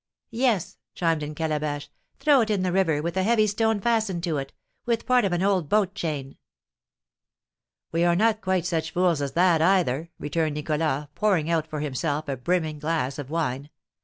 "Yes," chimed in Calabash, "throw it in the river, with a heavy stone fastened to it, with part of an old boat chain." "We are not quite such fools as that either," returned Nicholas, pouring out for himself a brimming glass of wine.